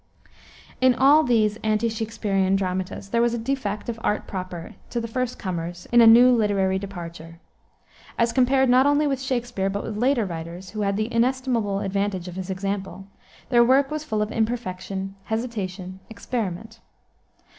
In all these ante Shaksperian dramatists there was a defect of art proper to the first comers in a new literary departure. As compared not only with Shakspere, but with later writers, who had the inestimable advantage of his example, their work was full of imperfection, hesitation, experiment.